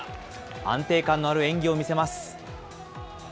安定感のある演技を見せます。